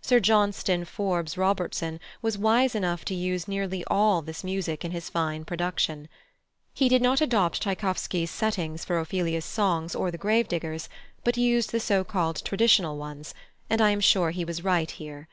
Sir Johnston Forbes Robertson was wise enough to use nearly all this music in his fine production. He did not adopt Tschaikowsky's settings for Ophelia's songs or the Gravedigger's, but used the so called traditional ones, and I am sure he was right here.